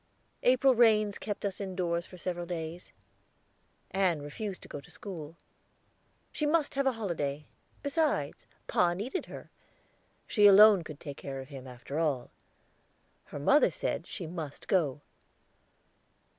April rains kept us indoors for several days. Ann refused to go to school. She must have a holiday; besides, pa needed her; she alone could take care of him, after all. Her mother said that she must go.